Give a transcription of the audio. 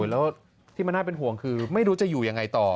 แล้วที่มันน่าเป็นห่วงคือไม่รู้จะอยู่ยังไงต่อ